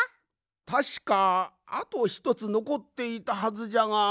たしかあとひとつのこっていたはずじゃが。